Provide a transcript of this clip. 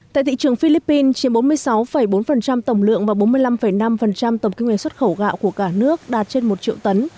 tại thị trường philippines chiếm bốn mươi sáu bốn tổng lượng và bốn mươi năm năm tổng kinh nguyên xuất khẩu gạo của cả nước đạt trên một triệu tấn